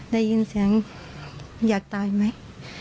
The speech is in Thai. ได้ยินเสียงอยากตายไหม